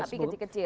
tapi jadi kecil